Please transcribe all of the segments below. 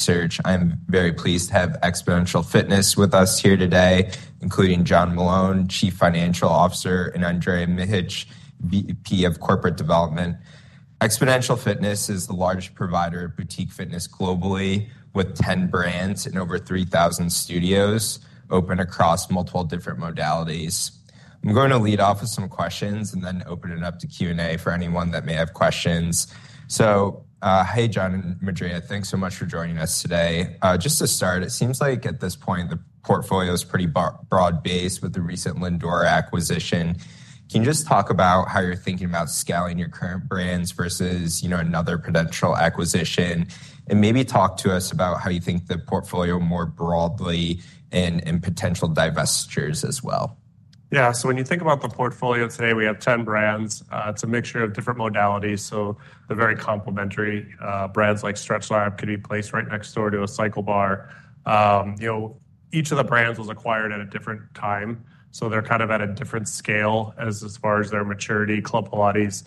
Serge, I'm very pleased to have Xponential Fitness with us here today, including John Meloun, Chief Financial Officer, and Andrea Mihic, VP of Corporate Development. Xponential Fitness is the largest provider of boutique fitness globally, with 10 brands and over 3,000 studios open across multiple different modalities. I'm going to lead off with some questions and then open it up to Q&A for anyone that may have questions. So hey, John and Andrea, thanks so much for joining us today. Just to start, it seems like at this point the portfolio is pretty broad-based with the recent Lindora acquisition. Can you just talk about how you're thinking about scaling your current brands versus another potential acquisition, and maybe talk to us about how you think the portfolio more broadly and potential divestitures as well? Yeah. So when you think about the portfolio today, we have 10 brands. It's a mixture of different modalities. So the very complementary brands like StretchLab could be placed right next door to a CycleBar. Each of the brands was acquired at a different time, so they're kind of at a different scale as far as their maturity. Club Pilates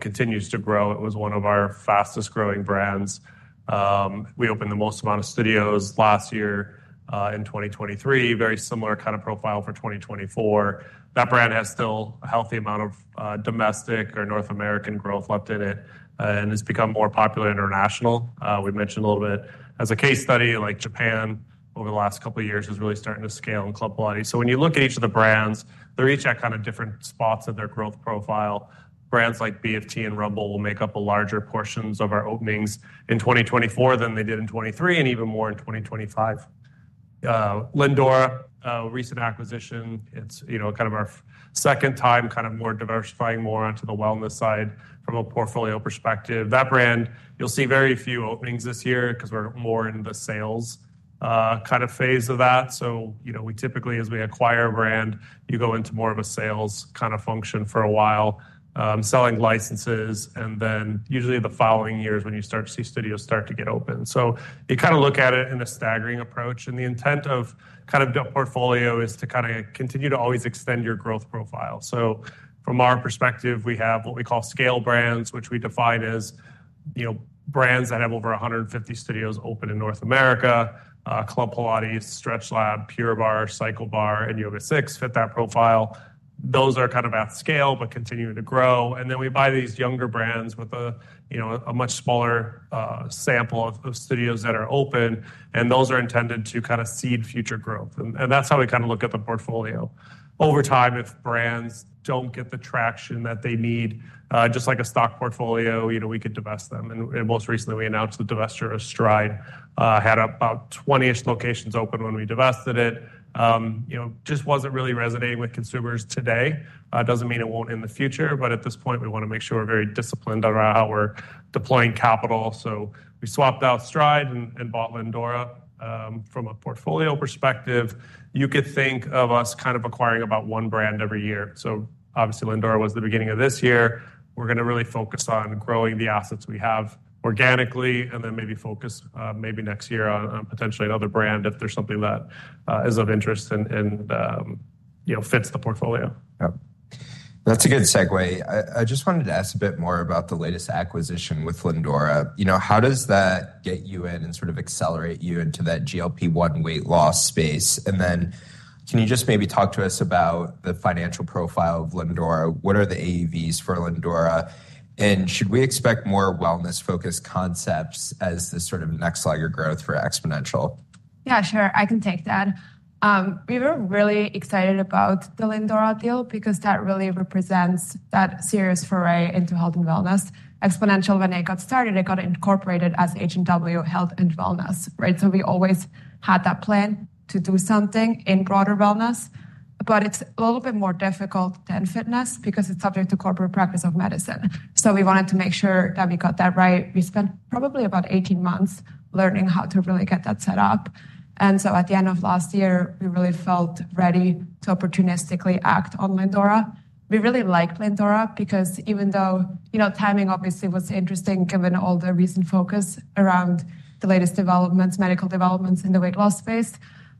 continues to grow. It was one of our fastest-growing brands. We opened the most amount of studios last year in 2023, very similar kind of profile for 2024. That brand has still a healthy amount of domestic or North American growth left in it and has become more popular internationally. We mentioned a little bit as a case study, like Japan over the last couple of years is really starting to scale in Club Pilates. So when you look at each of the brands, they reach that kind of different spots of their growth profile. Brands like BFT and Rumble will make up larger portions of our openings in 2024 than they did in 2023 and even more in 2025. Lindora, recent acquisition, it's kind of our second time kind of more diversifying more onto the wellness side from a portfolio perspective. That brand, you'll see very few openings this year because we're more in the sales kind of phase of that. So we typically, as we acquire a brand, you go into more of a sales kind of function for a while, selling licenses, and then usually the following years when you start to see studios start to get open. So you kind of look at it in a staggered approach, and the intent of kind of the portfolio is to kind of continue to always extend your growth profile. So from our perspective, we have what we call scale brands, which we define as brands that have over 150 studios open in North America. Club Pilates, StretchLab, Pure Barre, CycleBar, and YogaSix fit that profile. Those are kind of at scale but continuing to grow. And then we buy these younger brands with a much smaller sample of studios that are open, and those are intended to kind of seed future growth. And that's how we kind of look at the portfolio. Over time, if brands don't get the traction that they need, just like a stock portfolio, we could divest them. And most recently, we announced the divestiture of STRIDE. Had about 20-ish locations open when we divested it. Just wasn't really resonating with consumers today. Doesn't mean it won't in the future, but at this point, we want to make sure we're very disciplined on how we're deploying capital. So we swapped out STRIDE and bought Lindora from a portfolio perspective. You could think of us kind of acquiring about one brand every year. So obviously, Lindora was the beginning of this year. We're going to really focus on growing the assets we have organically and then maybe focus maybe next year on potentially another brand if there's something that is of interest and fits the portfolio. That's a good segue. I just wanted to ask a bit more about the latest acquisition with Lindora. How does that get you in and sort of accelerate you into that GLP-1 weight loss space? And then can you just maybe talk to us about the financial profile of Lindora? What are the AUVs for Lindora? And should we expect more wellness-focused concepts as the sort of next larger growth for Xponential? Yeah, sure. I can take that. We were really excited about the Lindora deal because that really represents that serious foray into health and wellness. Xponential, when they got started, they got incorporated as H&W Health and Wellness, right? So we always had that plan to do something in broader wellness, but it's a little bit more difficult than fitness because it's subject to corporate practice of medicine. So we wanted to make sure that we got that right. We spent probably about 18 months learning how to really get that set up. And so at the end of last year, we really felt ready to opportunistically act on Lindora. We really liked Lindora because even though timing obviously was interesting given all the recent focus around the latest developments, medical developments in the weight loss space.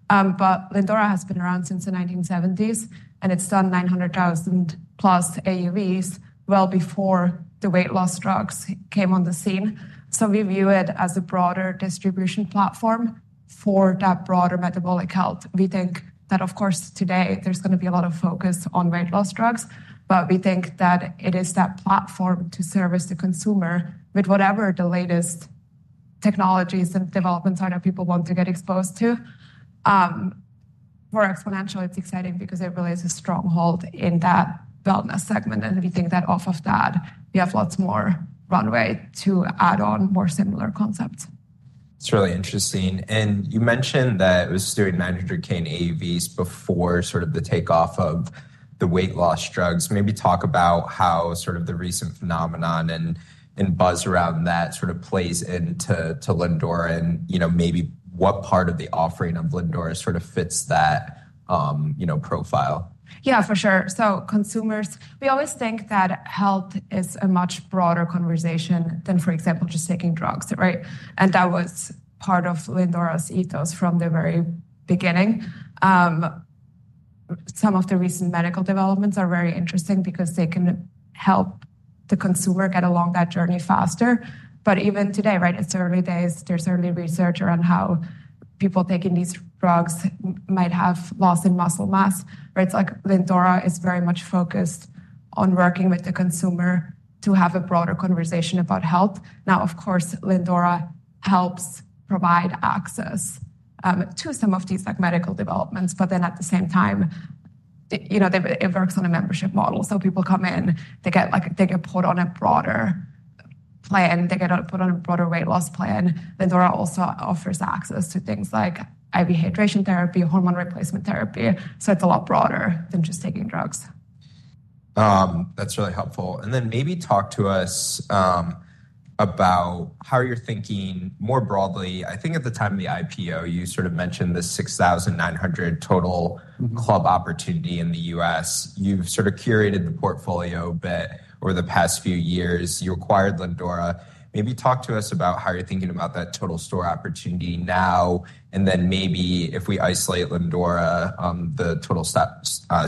But Lindora has been around since the 1970s, and it's done $900,000+ AUVs well before the weight loss drugs came on the scene. So we view it as a broader distribution platform for that broader metabolic health. We think that, of course, today there's going to be a lot of focus on weight loss drugs, but we think that it is that platform to service the consumer with whatever the latest technologies and developments are that people want to get exposed to. For Xponential, it's exciting because it really is a stronghold in that wellness segment. And we think that off of that, we have lots more runway to add on more similar concepts. It's really interesting. You mentioned that it was doing modest pre-GLP-1 AUVs before sort of the takeoff of the weight loss drugs. Maybe talk about how sort of the recent phenomenon and buzz around that sort of plays into Lindora and maybe what part of the offering of Lindora sort of fits that profile. Yeah, for sure. So consumers, we always think that health is a much broader conversation than, for example, just taking drugs, right? And that was part of Lindora's ethos from the very beginning. Some of the recent medical developments are very interesting because they can help the consumer get along that journey faster. But even today, right, it's early days. There's early research around how people taking these drugs might have loss in muscle mass, right? It's like Lindora is very much focused on working with the consumer to have a broader conversation about health. Now, of course, Lindora helps provide access to some of these medical developments, but then at the same time, it works on a membership model. So people come in, they get put on a broader plan, they get put on a broader weight loss plan. Lindora also offers access to things like IV hydration therapy, hormone replacement therapy. So it's a lot broader than just taking drugs. That's really helpful. Then maybe talk to us about how you're thinking more broadly. I think at the time of the IPO, you sort of mentioned the 6,900 total club opportunity in the U.S. You've sort of curated the portfolio a bit over the past few years. You acquired Lindora. Maybe talk to us about how you're thinking about that total store opportunity now. Then maybe if we isolate Lindora, the total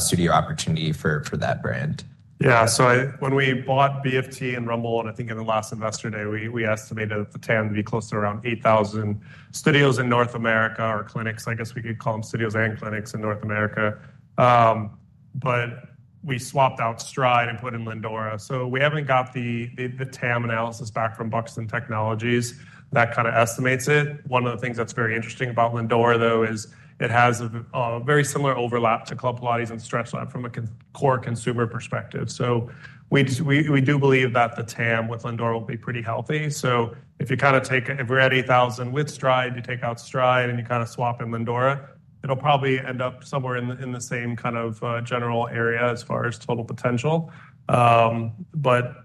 studio opportunity for that brand. Yeah. So when we bought BFT and Rumble, and I think in the last investor day, we estimated that the TAM would be closer to around 8,000 studios in North America or clinics. I guess we could call them studios and clinics in North America. But we swapped out Stride and put in Lindora. So we haven't got the TAM analysis back from Buxton that kind of estimates it. One of the things that's very interesting about Lindora, though, is it has a very similar overlap to Club Pilates and StretchLab from a core consumer perspective. So we do believe that the TAM with Lindora will be pretty healthy. So if you kind of take, if we're at 8,000 with STRIDE, you take out STRIDE and you kind of swap in Lindora, it'll probably end up somewhere in the same kind of general area as far as total potential. But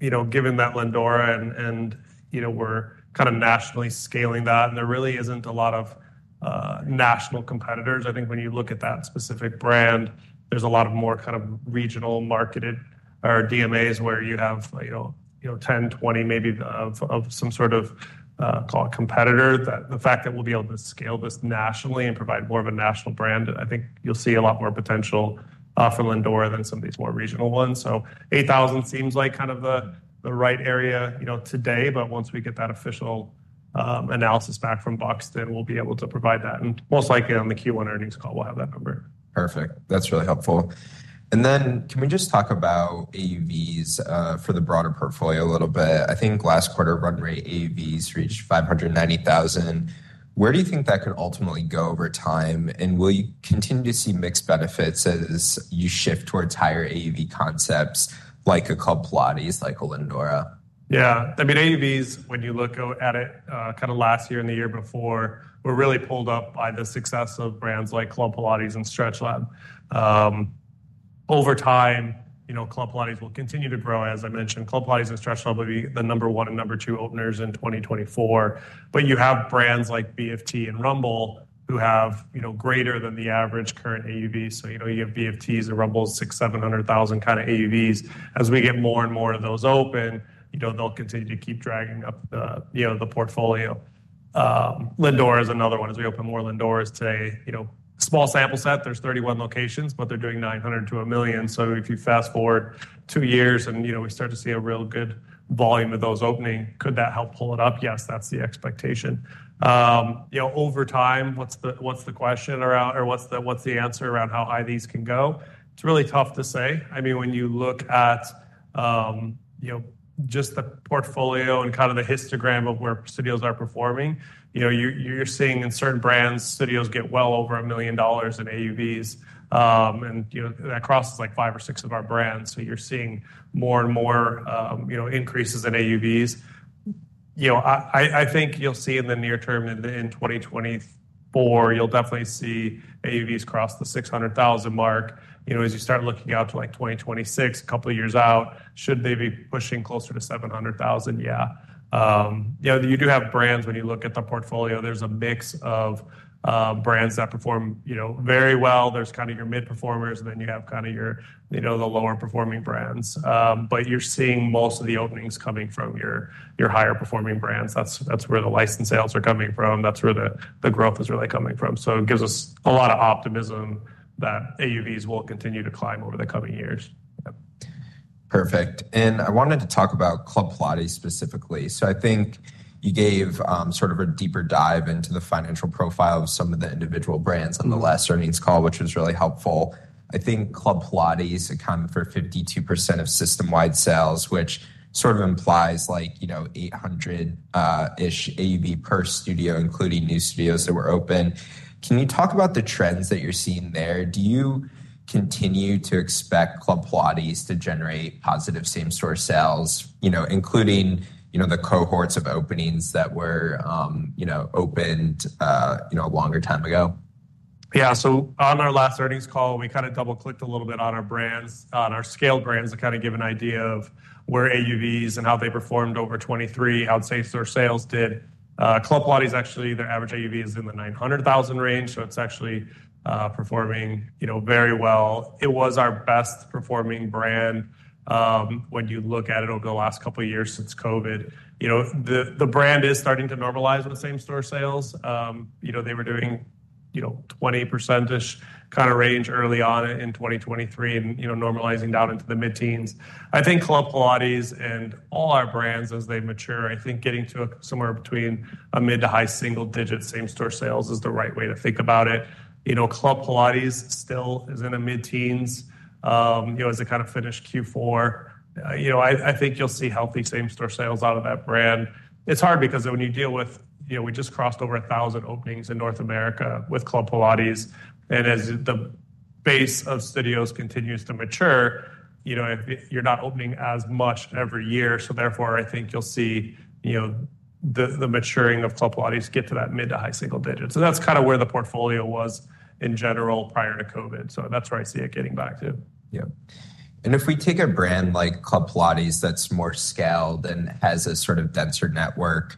given that Lindora and we're kind of nationally scaling that, and there really isn't a lot of national competitors, I think when you look at that specific brand, there's a lot more kind of regional markets or DMAs where you have 10, 20, maybe of some sort of competitor. The fact that we'll be able to scale this nationally and provide more of a national brand, I think you'll see a lot more potential for Lindora than some of these more regional ones. So 8,000 seems like kind of the right area today, but once we get that official analysis back from Buxton, we'll be able to provide that. Most likely on the Q1 earnings call, we'll have that number. Perfect. That's really helpful. Then can we just talk about AUVs for the broader portfolio a little bit? I think last quarter Runway AUVs reached $590,000. Where do you think that could ultimately go over time? Will you continue to see mixed benefits as you shift towards higher AUV concepts like Club Pilates, like Lindora? Yeah. I mean, AUVs, when you look at it kind of last year and the year before, were really pulled up by the success of brands like Club Pilates and StretchLab. Over time, Club Pilates will continue to grow. As I mentioned, Club Pilates and StretchLab will be the number one and number two openers in 2024. But you have brands like BFT and Rumble who have greater than the average current AUVs. So you have BFT's and Rumble's $600,000-$700,000 kind of AUVs. As we get more and more of those open, they'll continue to keep dragging up the portfolio. Lindora is another one. As we open more Lindoras today, small sample set, there's 31 locations, but they're doing $900,000-$1 million. So if you fast forward two years and we start to see a real good volume of those opening, could that help pull it up? Yes, that's the expectation. Over time, what's the question around or what's the answer around how high these can go? It's really tough to say. I mean, when you look at just the portfolio and kind of the histogram of where studios are performing, you're seeing in certain brands, studios get well over $1 million in AUVs. And that crosses like five or six of our brands. So you're seeing more and more increases in AUVs. I think you'll see in the near term, in 2024, you'll definitely see AUVs cross the $600,000 mark. As you start looking out to like 2026, a couple of years out, should they be pushing closer to $700,000? Yeah. You do have brands when you look at the portfolio. There's a mix of brands that perform very well. There's kind of your mid-performers, and then you have kind of the lower performing brands. But you're seeing most of the openings coming from your higher performing brands. That's where the license sales are coming from. That's where the growth is really coming from. So it gives us a lot of optimism that AUVs will continue to climb over the coming years. Perfect. I wanted to talk about Club Pilates specifically. I think you gave sort of a deeper dive into the financial profile of some of the individual brands on the last earnings call, which was really helpful. I think Club Pilates accounted for 52% of system-wide sales, which sort of implies like 800-ish AUV per studio, including new studios that were open. Can you talk about the trends that you're seeing there? Do you continue to expect Club Pilates to generate positive same-store sales, including the cohorts of openings that were opened a longer time ago? Yeah. So on our last earnings call, we kind of double-clicked a little bit on our brands, on our scale brands to kind of give an idea of where AUVs and how they performed over 2023, how the same-store sales did. Club Pilates, actually, their average AUV is in the $900,000 range, so it's actually performing very well. It was our best performing brand. When you look at it over the last couple of years since COVID, the brand is starting to normalize with same-store sales. They were doing 20%-ish kind of range early on in 2023 and normalizing down into the mid-teens. I think Club Pilates and all our brands, as they mature, I think getting to somewhere between a mid- to high single-digit same-store sales is the right way to think about it. Club Pilates still is in the mid-teens as it kind of finished Q4. I think you'll see healthy same-store sales out of that brand. It's hard because when you deal with we just crossed over 1,000 openings in North America with Club Pilates. And as the base of studios continues to mature, you're not opening as much every year. So therefore, I think you'll see the maturing of Club Pilates get to that mid- to high-single-digit. So that's kind of where the portfolio was in general prior to COVID. So that's where I see it getting back to. Yeah. If we take a brand like Club Pilates that's more scaled and has a sort of denser network,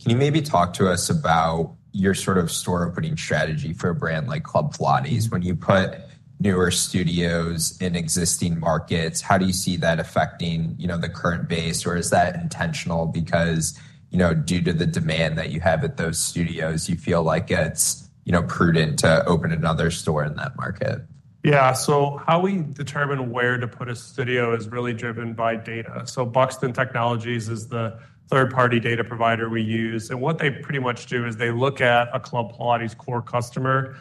can you maybe talk to us about your sort of store-opening strategy for a brand like Club Pilates? When you put newer studios in existing markets, how do you see that affecting the current base? Or is that intentional because due to the demand that you have at those studios, you feel like it's prudent to open another store in that market? Yeah. So how we determine where to put a studio is really driven by data. So Buxton Technologies is the third-party data provider we use. And what they pretty much do is they look at a Club Pilates core customer.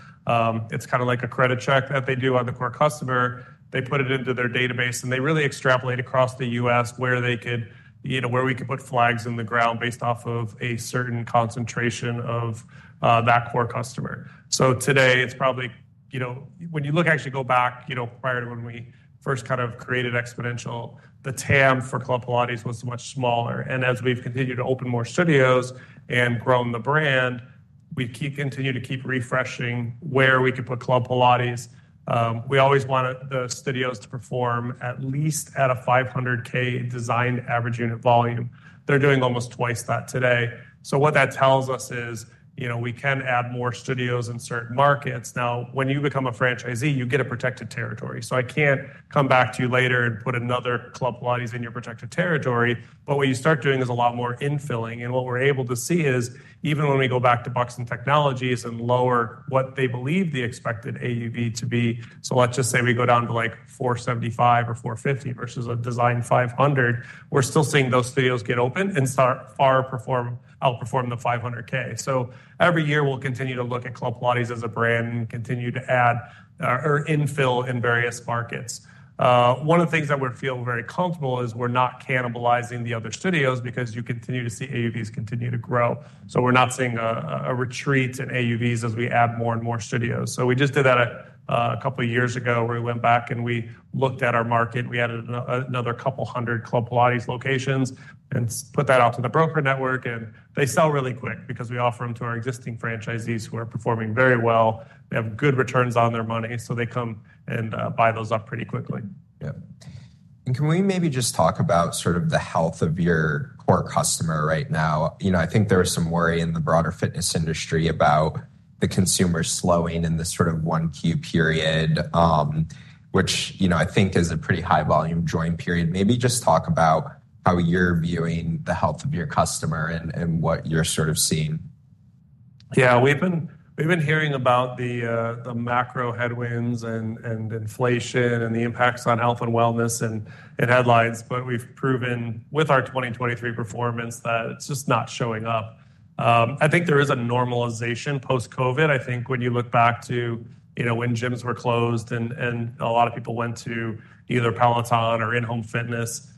It's kind of like a credit check that they do on the core customer. They put it into their database, and they really extrapolate across the U.S. where we could put flags in the ground based off of a certain concentration of that core customer. So today, it's probably when you look, actually go back prior to when we first kind of created Xponential, the TAM for Club Pilates was much smaller. And as we've continued to open more studios and grown the brand, we continue to keep refreshing where we could put Club Pilates. We always want the studios to perform at least at a $500,000 designed average unit volume. They're doing almost twice that today. So what that tells us is we can add more studios in certain markets. Now, when you become a franchisee, you get a protected territory. So I can't come back to you later and put another Club Pilates in your protected territory. But what you start doing is a lot more infilling. And what we're able to see is even when we go back to Buxton and lower what they believe the expected AUV to be, so let's just say we go down to like $475,000 or $450,000 versus a designed $500,000, we're still seeing those studios get open and far outperform the $500,000. So every year, we'll continue to look at Club Pilates as a brand and continue to add or infill in various markets. One of the things that we feel very comfortable is we're not cannibalizing the other studios because you continue to see AUVs continue to grow. So we're not seeing a retreat in AUVs as we add more and more studios. So we just did that a couple of years ago where we went back and we looked at our market. We added another couple hundred Club Pilates locations and put that out to the broker network. And they sell really quick because we offer them to our existing franchisees who are performing very well. They have good returns on their money, so they come and buy those up pretty quickly. Yeah. Can we maybe just talk about sort of the health of your core customer right now? I think there was some worry in the broader fitness industry about the consumer slowing in this sort of 1Q period, which I think is a pretty high-volume joint period. Maybe just talk about how you're viewing the health of your customer and what you're sort of seeing. Yeah. We've been hearing about the macro headwinds and inflation and the impacts on health and wellness in headlines, but we've proven with our 2023 performance that it's just not showing up. I think there is a normalization post-COVID. I think when you look back to when gyms were closed and a lot of people went to either Peloton or in-home Fitness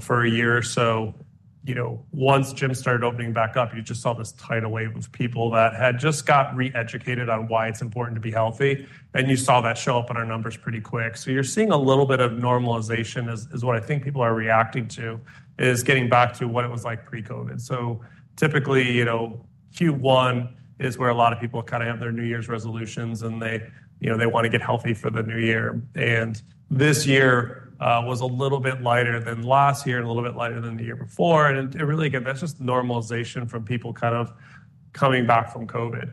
for a year or so, once gyms started opening back up, you just saw this tidal wave of people that had just got re-educated on why it's important to be healthy. And you saw that show up in our numbers pretty quick. So you're seeing a little bit of normalization is what I think people are reacting to, is getting back to what it was like pre-COVID. Typically, Q1 is where a lot of people kind of have their New Year's resolutions, and they want to get healthy for the new year. This year was a little bit lighter than last year and a little bit lighter than the year before. Really, again, that's just normalization from people kind of coming back from COVID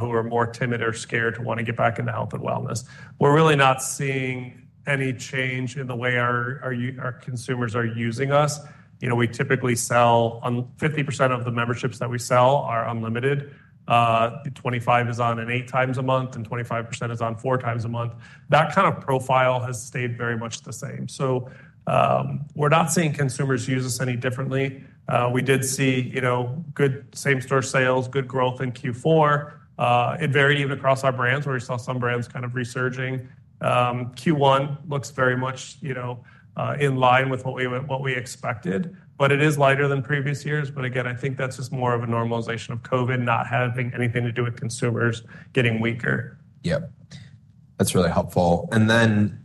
who are more timid or scared to want to get back into health and wellness. We're really not seeing any change in the way our consumers are using us. We typically sell 50% of the memberships that we sell are unlimited. 25% is on an 8 times a month, and 25% is on 4 times a month. That kind of profile has stayed very much the same. We're not seeing consumers use us any differently. We did see good same-store sales, good growth in Q4. It varied even across our brands where we saw some brands kind of resurging. Q1 looks very much in line with what we expected, but it is lighter than previous years. But again, I think that's just more of a normalization of COVID, not having anything to do with consumers getting weaker. Yeah. That's really helpful. And then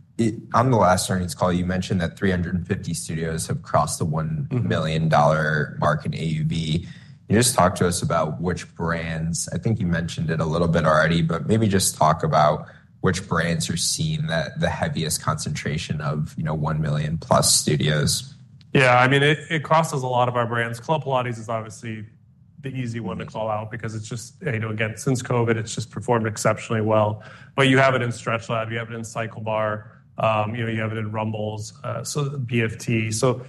on the last earnings call, you mentioned that 350 studios have crossed the $1 million mark in AUV. Can you just talk to us about which brands? I think you mentioned it a little bit already, but maybe just talk about which brands are seeing the heaviest concentration of $1 million-plus studios. Yeah. I mean, it crosses a lot of our brands. Club Pilates is obviously the easy one to call out because it's just, again, since COVID, it's just performed exceptionally well. But you have it in StretchLab. You have it in CycleBar. You have it in Rumble. So BFT. So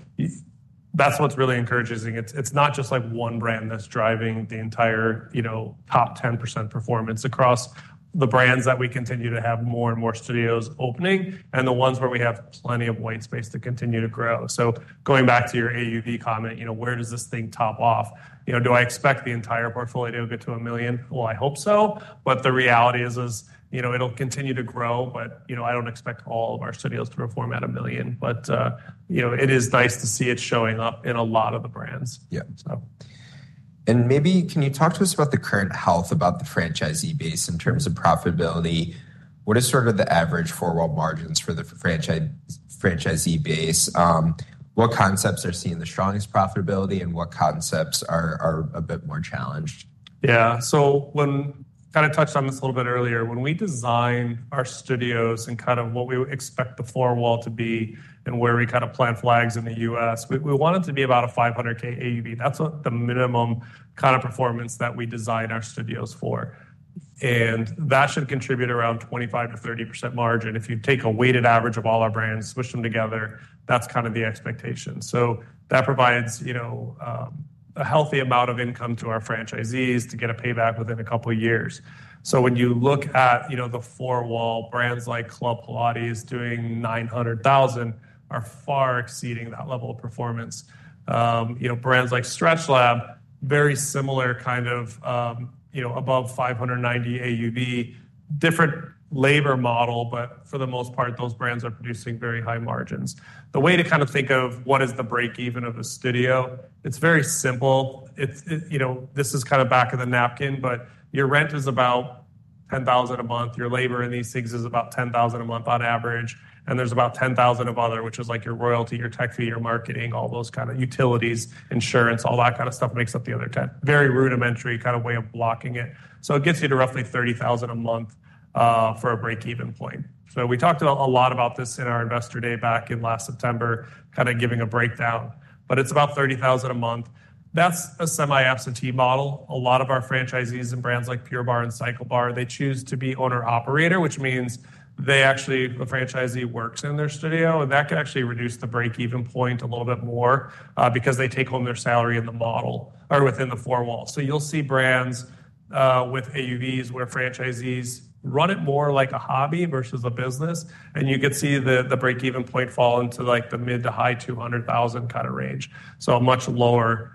that's what's really encouraging. It's not just one brand that's driving the entire top 10% performance across the brands that we continue to have more and more studios opening and the ones where we have plenty of white space to continue to grow. So going back to your AUV comment, where does this thing top off? Do I expect the entire portfolio to go to $1 million? Well, I hope so. But the reality is it'll continue to grow, but I don't expect all of our studios to perform at $1 million. It is nice to see it showing up in a lot of the brands, so. Yeah. Maybe can you talk to us about the current health about the franchisee base in terms of profitability? What is sort of the average forward margins for the franchisee base? What concepts are seeing the strongest profitability, and what concepts are a bit more challenged? Yeah. So we kind of touched on this a little bit earlier. When we design our studios and kind of what we expect the floor wall to be and where we kind of plant flags in the U.S., we want it to be about a $500K AUV. That's the minimum kind of performance that we design our studios for. And that should contribute around 25%-30% margin. If you take a weighted average of all our brands, switch them together, that's kind of the expectation. So that provides a healthy amount of income to our franchisees to get a payback within a couple of years. So when you look at the floor wall, brands like Club Pilates doing $900,000 are far exceeding that level of performance. Brands like StretchLab, very similar kind of above $590 AUV, different labor model, but for the most part, those brands are producing very high margins. The way to kind of think of what is the break-even of a studio, it's very simple. This is kind of back of the napkin, but your rent is about $10,000 a month. Your labor in these things is about $10,000 a month on average. And there's about $10,000 of other, which is like your royalty, your tech fee, your marketing, all those kind of utilities, insurance, all that kind of stuff makes up the other $10,000. Very rudimentary kind of way of blocking it. So it gets you to roughly $30,000 a month for a break-even point. So we talked a lot about this in our investor day back in last September, kind of giving a breakdown. But it's about $30,000 a month. That's a semi-absentee model. A lot of our franchisees and brands like Pure Barre and CycleBar, they choose to be owner-operator, which means they actually a franchisee works in their studio. And that can actually reduce the break-even point a little bit more because they take home their salary in the model or within the four walls. So you'll see brands with AUVs where franchisees run it more like a hobby versus a business. And you could see the break-even point fall into the mid- to high-$200,000 kind of range, so a much lower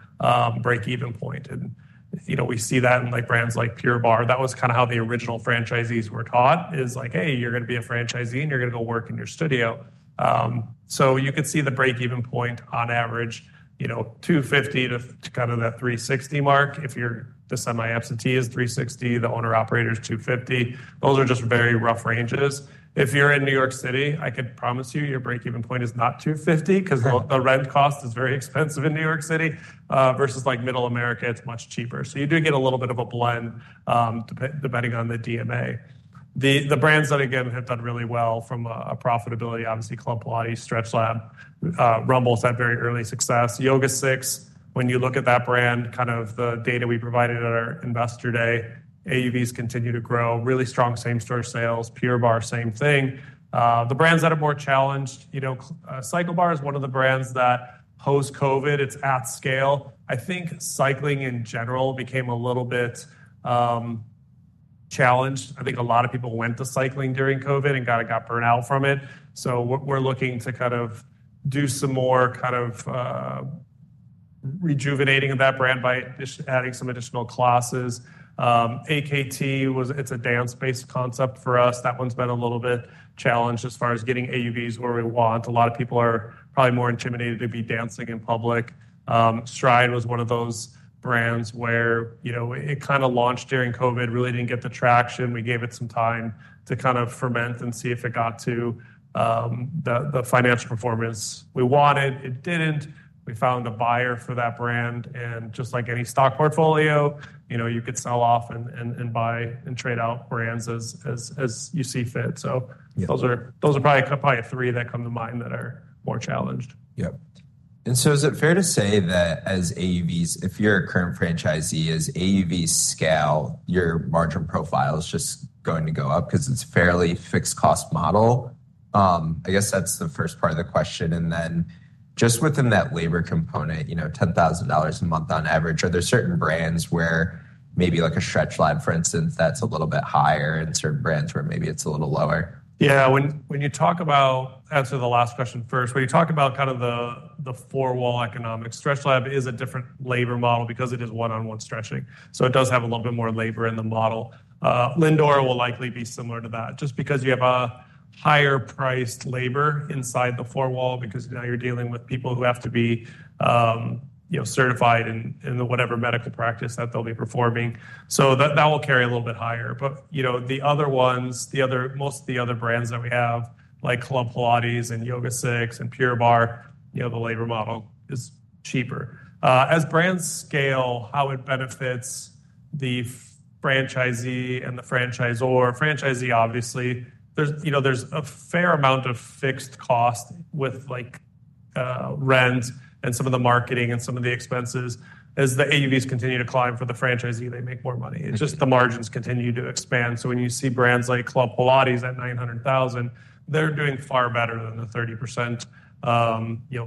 break-even point. And we see that in brands like Pure Barre. That was kind of how the original franchisees were taught, is like, "Hey, you're going to be a franchisee, and you're going to go work in your studio." So you could see the break-even point on average $250 to kind of that $360 mark. If the semi-absentee is $360, the owner-operator is $250. Those are just very rough ranges. If you're in New York City, I could promise you your break-even point is not $250 because the rent cost is very expensive in New York City versus Middle America, it's much cheaper. So you do get a little bit of a blend depending on the DMA. The brands that, again, have done really well from a profitability, obviously, Club Pilates, StretchLab, Rumble's had very early success. YogaSix, when you look at that brand, kind of the data we provided at our investor day, AUVs continue to grow. Really strong same-store sales. Pure Barre, same thing. The brands that are more challenged, CycleBar is one of the brands that post-COVID, it's at scale. I think cycling in general became a little bit challenged. I think a lot of people went to cycling during COVID and kind of got burnt out from it. So we're looking to kind of do some more kind of rejuvenating of that brand by adding some additional classes. AKT, it's a dance-based concept for us. That one's been a little bit challenged as far as getting AUVs where we want. A lot of people are probably more intimidated to be dancing in public. STRIDE was one of those brands where it kind of launched during COVID, really didn't get the traction. We gave it some time to kind of ferment and see if it got to the financial performance we wanted. It didn't. We found a buyer for that brand. Just like any stock portfolio, you could sell off and buy and trade out brands as you see fit. Those are probably three that come to mind that are more challenged. Yeah. And so is it fair to say that as AUVs, if you're a current franchisee, as AUVs scale, your margin profile is just going to go up because it's a fairly fixed-cost model? I guess that's the first part of the question. And then just within that labor component, $10,000 a month on average, are there certain brands where maybe like a StretchLab, for instance, that's a little bit higher and certain brands where maybe it's a little lower? Yeah. When you talk about, answer the last question first. When you talk about kind of the four-wall economics, StretchLab is a different labor model because it is one-on-one stretching. So it does have a little bit more labor in the model. Lindora will likely be similar to that just because you have a higher-priced labor inside the four-wall because now you are dealing with people who have to be certified in whatever medical practice that they will be performing. So that will carry a little bit higher. But the other ones, most of the other brands that we have, like Club Pilates and YogaSix and Pure Barre, the labor model is cheaper. As brands scale, how it benefits the franchisee and the franchisor, franchisee, obviously, there is a fair amount of fixed cost with rent and some of the marketing and some of the expenses. As the AUVs continue to climb for the franchisee, they make more money. It's just the margins continue to expand. So when you see brands like Club Pilates at $900,000, they're doing far better than the 30%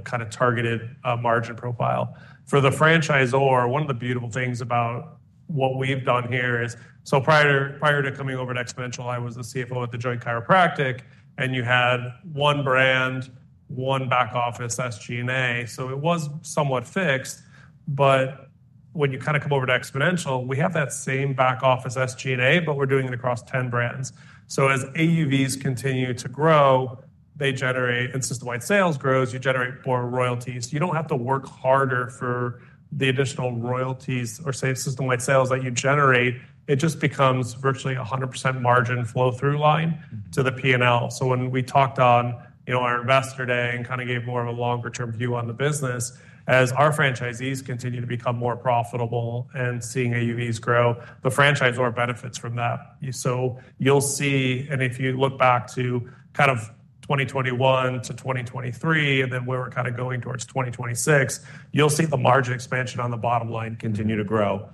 kind of targeted margin profile. For the franchisor, one of the beautiful things about what we've done here is so prior to coming over to Xponential, I was the CFO at The Joint Chiropractic, and you had one brand, one back office, SG&A. So it was somewhat fixed. But when you kind of come over to Xponential, we have that same back office, SG&A, but we're doing it across 10 brands. So as AUVs continue to grow, they generate and system-wide sales grows, you generate more royalties. You don't have to work harder for the additional royalties or system-wide sales that you generate. It just becomes virtually a 100% margin flow-through line to the P&L. So when we talked on our investor day and kind of gave more of a longer-term view on the business, as our franchisees continue to become more profitable and seeing AUVs grow, the franchisor benefits from that. So you'll see and if you look back to kind of 2021 to 2023 and then where we're kind of going towards 2026, you'll see the margin expansion on the bottom line continue to grow.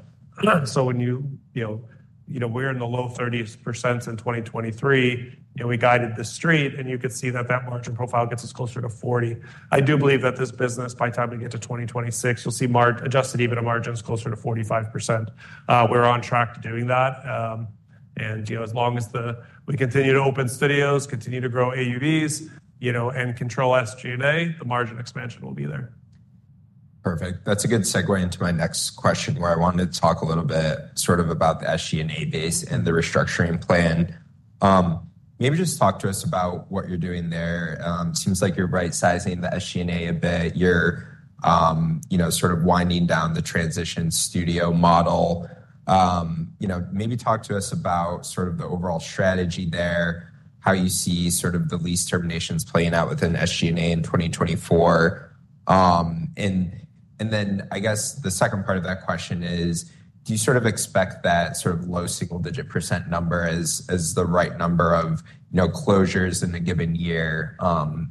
So when we were in the low 30% in 2023, we guided the street, and you could see that that margin profile gets us closer to 40%. I do believe that this business, by the time we get to 2026, you'll see adjusted EBITDA margins closer to 45%. We're on track to doing that. As long as we continue to open studios, continue to grow AUVs, and control SG&A, the margin expansion will be there. Perfect. That's a good segue into my next question where I wanted to talk a little bit sort of about the SG&A base and the restructuring plan. Maybe just talk to us about what you're doing there. It seems like you're right-sizing the SG&A a bit. You're sort of winding down the transition studio model. Maybe talk to us about sort of the overall strategy there, how you see sort of the lease terminations playing out within SG&A in 2024. And then I guess the second part of that question is, do you sort of expect that sort of low single-digit % number as the right number of closures in a given year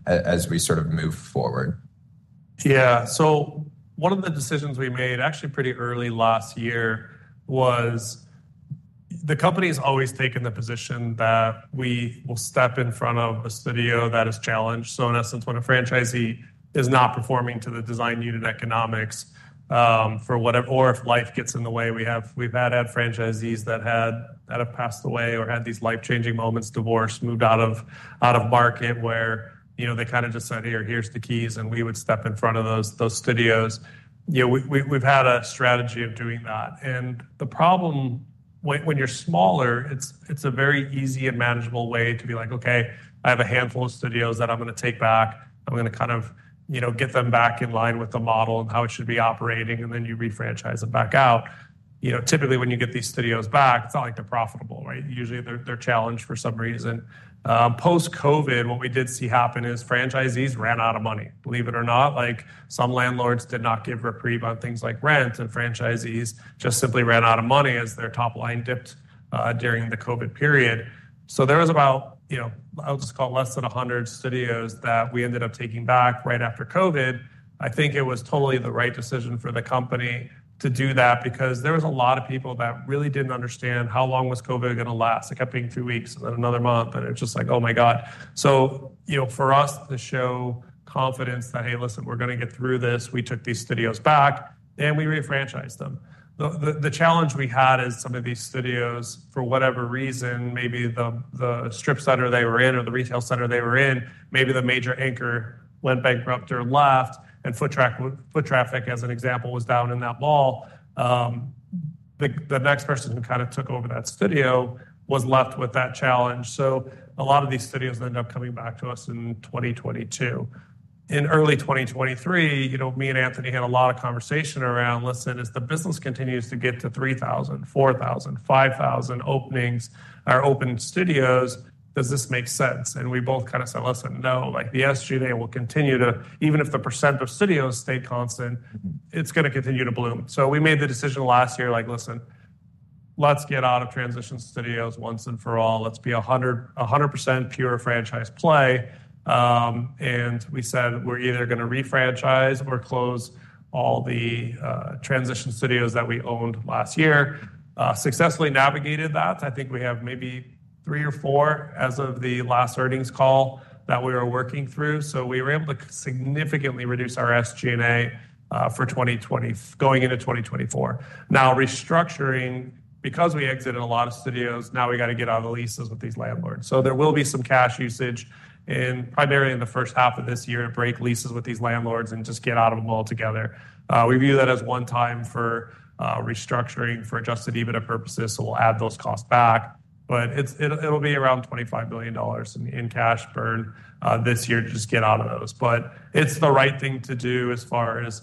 as we sort of move forward? Yeah. So one of the decisions we made actually pretty early last year was the company has always taken the position that we will step in front of a studio that is challenged. So in essence, when a franchisee is not performing to the design unit economics or if life gets in the way, we've had franchisees that have passed away or had these life-changing moments, divorced, moved out of market where they kind of just said, "Here, here's the keys," and we would step in front of those studios. We've had a strategy of doing that. And the problem, when you're smaller, it's a very easy and manageable way to be like, "Okay, I have a handful of studios that I'm going to take back. I'm going to kind of get them back in line with the model and how it should be operating," and then you refranchise them back out. Typically, when you get these studios back, it's not like they're profitable, right? Usually, they're challenged for some reason. Post-COVID, what we did see happen is franchisees ran out of money, believe it or not. Some landlords did not give reprieve on things like rent, and franchisees just simply ran out of money as their top line dipped during the COVID period. So there was about, I'll just call it, less than 100 studios that we ended up taking back right after COVID. I think it was totally the right decision for the company to do that because there was a lot of people that really didn't understand how long was COVID going to last. It kept being two weeks and then another month, and it was just like, "Oh my God." So for us to show confidence that, "Hey, listen, we're going to get through this. We took these studios back, and we refranchised them." The challenge we had is some of these studios, for whatever reason, maybe the strip center they were in or the retail center they were in, maybe the major anchor went bankrupt or left, and foot traffic, as an example, was down in that mall. The next person who kind of took over that studio was left with that challenge. So a lot of these studios ended up coming back to us in 2022. In early 2023, me and Anthony had a lot of conversation around, "Listen, as the business continues to get to 3,000, 4,000, 5,000 open studios, does this make sense?" And we both kind of said, "Listen, no. The SG&A will continue to even if the percent of studios stay constant, it's going to continue to bloom." So we made the decision last year like, "Listen, let's get out of transition studios once and for all. Let's be 100% pure franchise play." And we said we're either going to refranchise or close all the transition studios that we owned last year. Successfully navigated that. I think we have maybe 3 or 4 as of the last earnings call that we were working through. So we were able to significantly reduce our SG&A going into 2024. Now restructuring, because we exited a lot of studios, now we got to get out of leases with these landlords. So there will be some cash usage primarily in the first half of this year to break leases with these landlords and just get out of them altogether. We view that as one time for restructuring for adjusted EBITDA purposes. So we'll add those costs back. But it'll be around $25 billion in cash burn this year to just get out of those. But it's the right thing to do as far as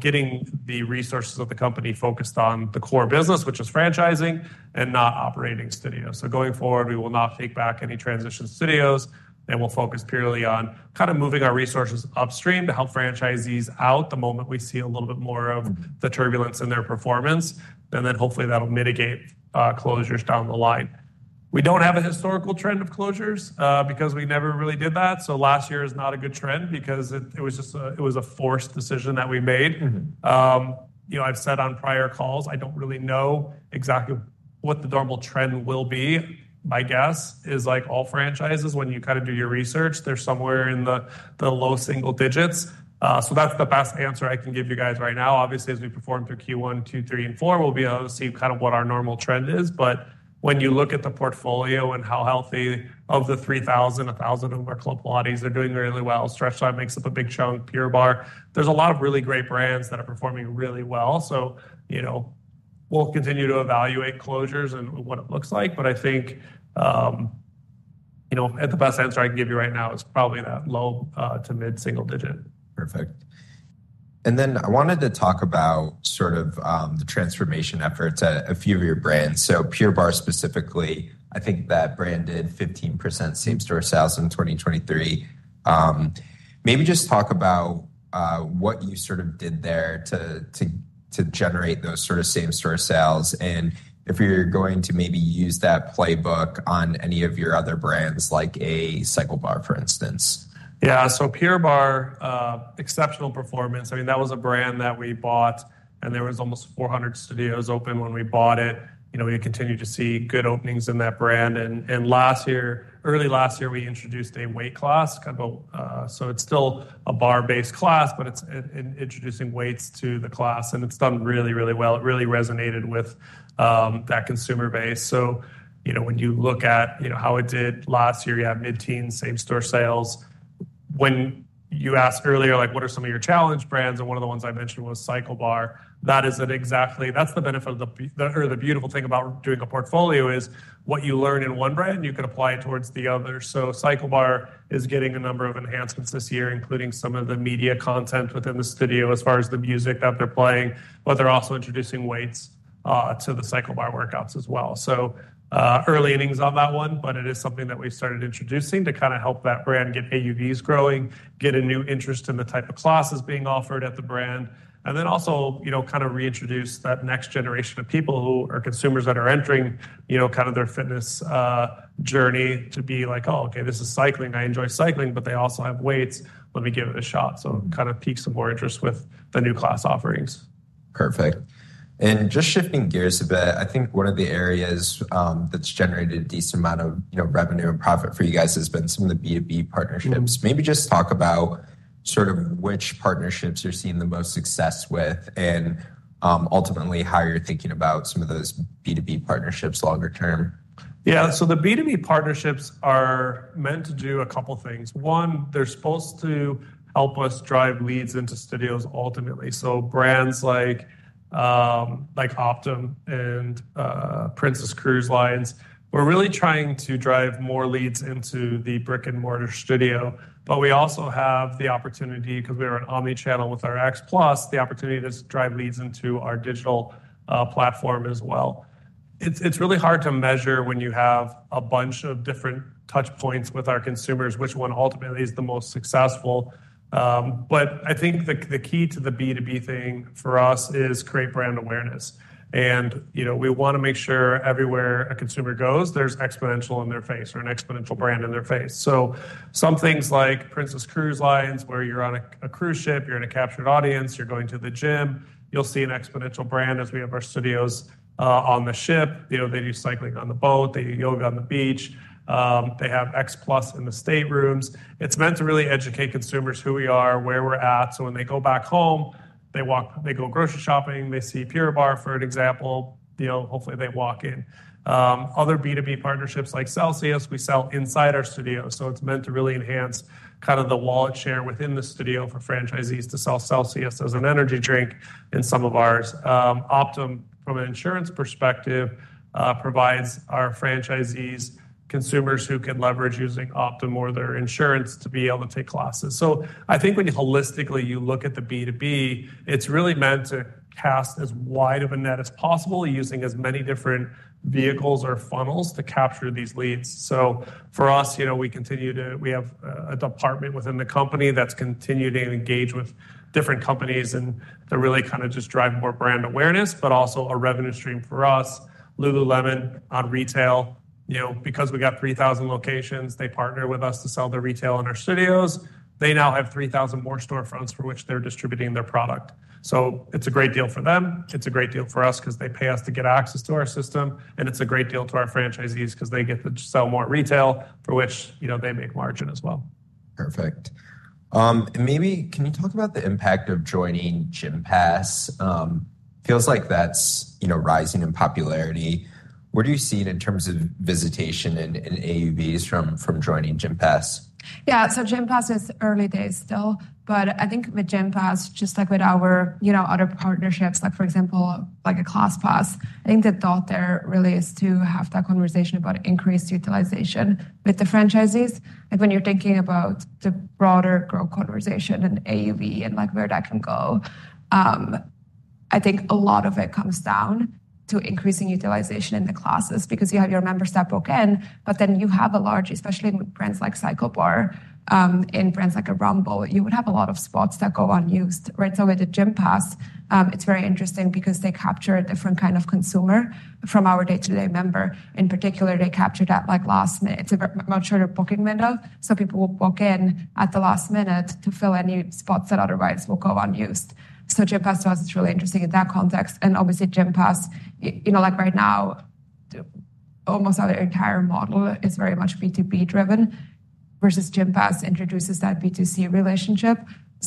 getting the resources of the company focused on the core business, which is franchising, and not operating studios. So going forward, we will not take back any transition studios. We'll focus purely on kind of moving our resources upstream to help franchisees out the moment we see a little bit more of the turbulence in their performance. Then hopefully, that'll mitigate closures down the line. We don't have a historical trend of closures because we never really did that. Last year is not a good trend because it was a forced decision that we made. I've said on prior calls, I don't really know exactly what the normal trend will be. My guess is all franchises, when you kind of do your research, they're somewhere in the low single digits. That's the best answer I can give you guys right now. Obviously, as we perform through Q1, Q3, and Q4, we'll be able to see kind of what our normal trend is. But when you look at the portfolio and how healthy of the 3,000, 1,000 of our Club Pilates, they're doing really well. StretchLab makes up a big chunk. Pure Barre, there's a lot of really great brands that are performing really well. So we'll continue to evaluate closures and what it looks like. But I think the best answer I can give you right now is probably that low to mid single digit. Perfect. And then I wanted to talk about sort of the transformation efforts at a few of your brands. So Pure Barre specifically, I think that brand did 15% same-store sales in 2023. Maybe just talk about what you sort of did there to generate those sort of same-store sales. And if you're going to maybe use that playbook on any of your other brands, like a CycleBar, for instance. Yeah. So Pure Barre, exceptional performance. I mean, that was a brand that we bought, and there was almost 400 studios open when we bought it. We continue to see good openings in that brand. And early last year, we introduced a weight class. So it's still a barre-based class, but it's introducing weights to the class. And it's done really, really well. It really resonated with that consumer base. So when you look at how it did last year, you have mid-teens% same-store sales. When you asked earlier, what are some of your challenge brands? And one of the ones I mentioned was CycleBar. That's the benefit or the beautiful thing about doing a portfolio is what you learn in one brand, you can apply it towards the other. So CycleBar is getting a number of enhancements this year, including some of the media content within the studio as far as the music that they're playing, but they're also introducing weights to the CycleBar workouts as well. So early innings on that one, but it is something that we've started introducing to kind of help that brand get AUVs growing, get a new interest in the type of classes being offered at the brand, and then also kind of reintroduce that next generation of people who are consumers that are entering kind of their fitness journey to be like, "Oh, okay, this is cycling. I enjoy cycling, but they also have weights. Let me give it a shot." So kind of pique some more interest with the new class offerings. Perfect. Just shifting gears a bit, I think one of the areas that's generated a decent amount of revenue and profit for you guys has been some of the B2B partnerships. Maybe just talk about sort of which partnerships you're seeing the most success with and ultimately how you're thinking about some of those B2B partnerships longer term. Yeah. So the B2B partnerships are meant to do a couple of things. One, they're supposed to help us drive leads into studios ultimately. So brands like Optum and Princess Cruise Lines, we're really trying to drive more leads into the brick-and-mortar studio. But we also have the opportunity because we are an omnichannel with our XPLUS, the opportunity to drive leads into our digital platform as well. It's really hard to measure when you have a bunch of different touchpoints with our consumers, which one ultimately is the most successful. But I think the key to the B2B thing for us is create brand awareness. And we want to make sure everywhere a consumer goes, there's Xponential in their face or an Xponential brand in their face. So some things like Princess Cruise Lines, where you're on a cruise ship, you're in a captured audience, you're going to the gym, you'll see an Xponential brand as we have our studios on the ship. They do cycling on the boat. They do yoga on the beach. They have XPLUS in the staterooms. It's meant to really educate consumers who we are, where we're at. So when they go back home, they go grocery shopping, they see Pure Barre, for an example. Hopefully, they walk in. Other B2B partnerships like Celsius, we sell inside our studios. So it's meant to really enhance kind of the wallet share within the studio for franchisees to sell Celsius as an energy drink in some of ours. Optum, from an insurance perspective, provides our franchisees consumers who can leverage using Optum or their insurance to be able to take classes. So I think when you holistically look at the B2B, it's really meant to cast as wide of a net as possible, using as many different vehicles or funnels to capture these leads. So for us, we continue to have a department within the company that's continuing to engage with different companies and to really kind of just drive more brand awareness, but also a revenue stream for us. lululemon on retail, because we got 3,000 locations, they partner with us to sell their retail in our studios. They now have 3,000 more storefronts for which they're distributing their product. So it's a great deal for them. It's a great deal for us because they pay us to get access to our system. And it's a great deal to our franchisees because they get to sell more retail for which they make margin as well. Perfect. And maybe can you talk about the impact of joining Gympass? Feels like that's rising in popularity. What do you see in terms of visitation and AUVs from joining Gympass? Yeah. So Gympass is early days still. But I think with Gympass, just like with our other partnerships, for example, like a ClassPass, I think the thought there really is to have that conversation about increased utilization with the franchisees. When you're thinking about the broader growth conversation and AUV and where that can go, I think a lot of it comes down to increasing utilization in the classes because you have your members that book in, but then you have a large, especially with brands like CycleBar, in brands like Rumble, you would have a lot of spots that go unused, right? So with the Gympass, it's very interesting because they capture a different kind of consumer from our day-to-day member. In particular, they capture that last minute. It's a much shorter booking window. So people will book in at the last minute to fill any spots that otherwise will go unused. Gympass to us is really interesting in that context. And obviously, Gympass, right now, almost our entire model is very much B2B driven versus Gympass introduces that B2C relationship.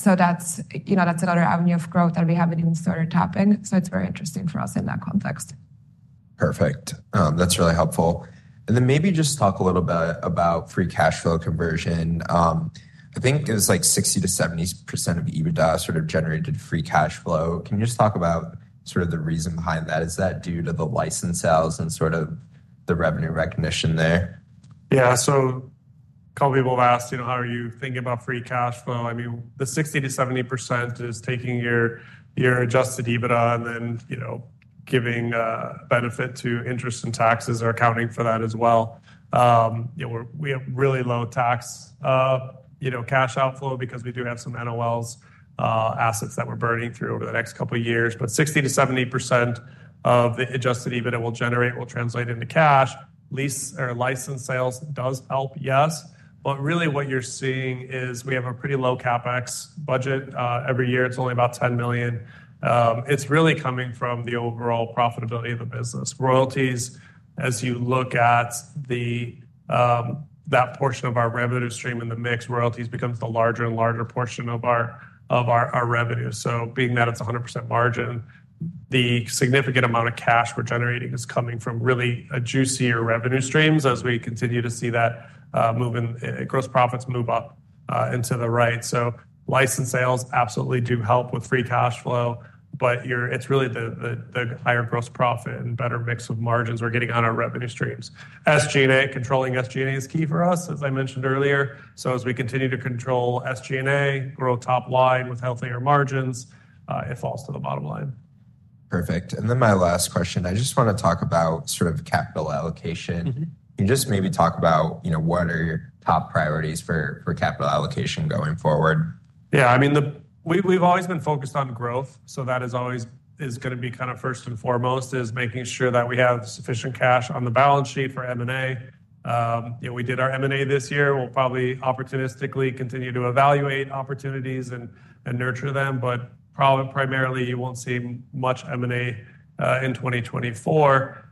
That's another avenue of growth that we haven't even started tapping. It's very interesting for us in that context. Perfect. That's really helpful. And then maybe just talk a little bit about free cash flow conversion. I think it was like 60%-70% of EBITDA sort of generated free cash flow. Can you just talk about sort of the reason behind that? Is that due to the license sales and sort of the revenue recognition there? Yeah. So a couple of people have asked, how are you thinking about free cash flow? I mean, the 60%-70% is taking your adjusted EBITDA and then giving benefit to interest and taxes or accounting for that as well. We have really low tax cash outflow because we do have some NOLs, assets that we're burning through over the next couple of years. But 60%-70% of the adjusted EBITDA we'll generate will translate into cash. License sales does help, yes. But really, what you're seeing is we have a pretty low CapEx budget every year. It's only about $10 million. It's really coming from the overall profitability of the business. As you look at that portion of our revenue stream in the mix, royalties becomes the larger and larger portion of our revenue. So being that it's 100% margin, the significant amount of cash we're generating is coming from really juicier revenue streams as we continue to see that moving, gross profits move up into the right. So license sales absolutely do help with free cash flow. But it's really the higher gross profit and better mix of margins we're getting on our revenue streams. SG&A, controlling SG&A is key for us, as I mentioned earlier. So as we continue to control SG&A, grow top line with healthier margins, it falls to the bottom line. Perfect. And then my last question, I just want to talk about sort of capital allocation. Can you just maybe talk about what are your top priorities for capital allocation going forward? Yeah. I mean, we've always been focused on growth. So that is always going to be kind of first and foremost is making sure that we have sufficient cash on the balance sheet for M&A. We did our M&A this year. We'll probably opportunistically continue to evaluate opportunities and nurture them. But primarily, you won't see much M&A in 2024.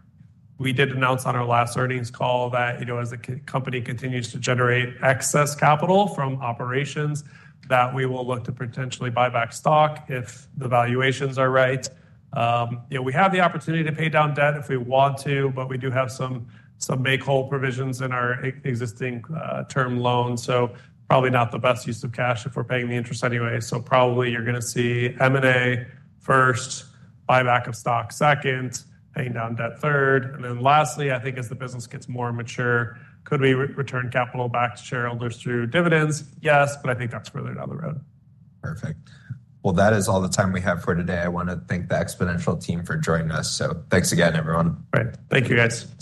We did announce on our last earnings call that as the company continues to generate excess capital from operations, that we will look to potentially buy back stock if the valuations are right. We have the opportunity to pay down debt if we want to, but we do have some make-whole provisions in our existing term loan. So probably not the best use of cash if we're paying the interest anyway. So probably you're going to see M&A first, buyback of stock second, paying down debt third. And then lastly, I think as the business gets more mature, could we return capital back to shareholders through dividends? Yes, but I think that's further down the road. Perfect. Well, that is all the time we have for today. I want to thank the Xponential team for joining us. Thanks again, everyone. Right. Thank you, guys.